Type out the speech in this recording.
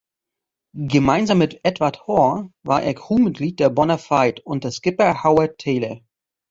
Gemeinsam mit Edward Hore war er Crewmitglied der "Bona Fide" unter Skipper Howard Taylor.